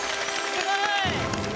すごい！